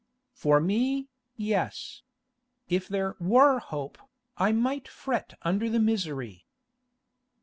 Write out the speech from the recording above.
'For me, yes. If there were hope, I might fret under the misery.